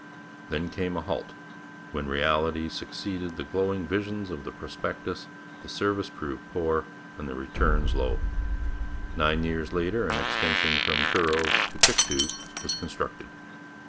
Then came a halt, when reality succeeded the glowing visions of the prospectus, the service proved poor, and the returns low. Nine years later an extension from Truro to Pictou was constructed.